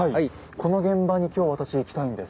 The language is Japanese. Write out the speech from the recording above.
この現場に今日私行きたいんです。